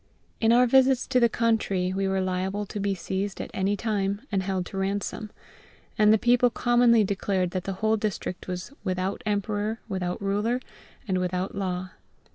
In our visits to the country we were liable to be seized at any time and held to ransom; and the people commonly declared that the whole district was "without emperor, without ruler, and without law."